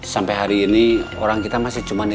sampai hari ini orang kita masih cuma